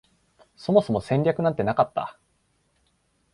そもそも戦略なんてなかった